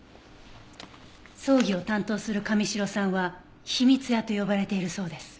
葬儀を担当する神城さんは秘密屋と呼ばれているそうです。